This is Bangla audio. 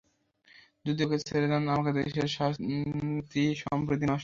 যদি ওকে ছেড়ে দেন, আমাদের দেশের শান্তি-সম্প্রীতি নষ্ট হয়ে যাবে।